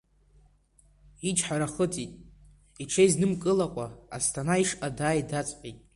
Ичҳара хыҵит, иҽизнымкылакәа, Асҭана ишҟа дааи дааҵҟьеит…